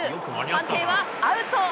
判定はアウト。